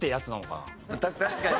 確かに。